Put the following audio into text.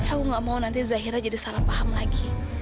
aku gak mau nanti zahira jadi salah paham lagi